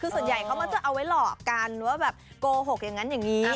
ส่วนใหญ่จะเอาไว้หลอกกลกโขอกอย่างนั้นอย่างนี้